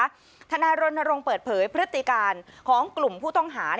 ในที่วันนี้การที่นายสนองนักธารณีบากเรื่องกลุ่มผู้ต้องหา